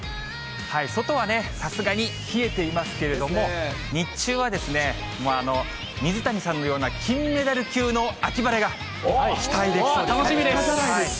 外はさすがに、冷えていますけれども、日中はですね、水谷さんのような金メダル級の秋晴れが期待できそうです。